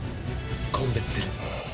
根絶する。